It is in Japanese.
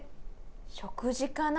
食事かな。